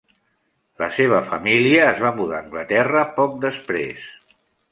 La seva família es va mudar a Anglaterra poc després.